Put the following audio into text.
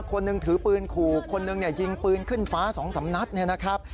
คนนึงถือปืนขู่คนนึงยิงปืนขึ้นฟ้า๒สำนัดนะครับ